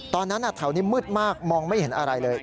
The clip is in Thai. ตอนนั้นแถวนี้มืดมากมองไม่เห็นอะไรเลย